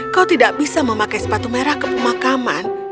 kau tidak bisa memakai sepatu merah ke pemakaman